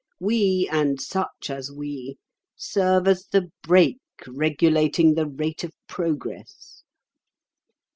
We, and such as we, serve as the brake regulating the rate of progress.